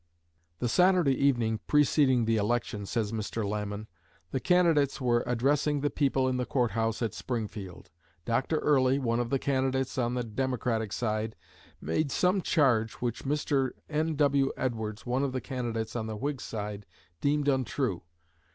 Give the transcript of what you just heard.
'" "The Saturday evening preceding the election," says Mr. Lamon, "the candidates were addressing the people in the Court House at Springfield. Dr. Early, one of the candidates on the Democratic side, made some charge which Mr. N.W. Edwards, one of the candidates on the Whig side, deemed untrue.